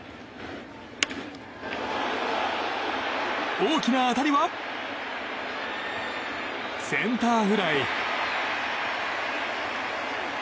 大きな当たりはセンターフライ。